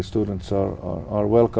nó cũng có